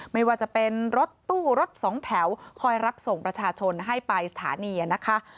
ไม่ว่าจะเป็นรถตู้รถสองแถวคอยรับส่งประชาชนให้ไปสถานีนะคะ